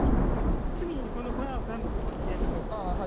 次にこの粉を全部入れてください。